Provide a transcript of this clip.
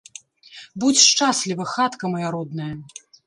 Будзь шчасліва, хатка мая родная!